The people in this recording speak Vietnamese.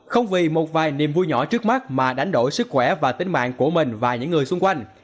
không vì một vài niềm vui nhỏ trước mắt mà đánh đổi sức khỏe và tính mạng của mình và những người xung quanh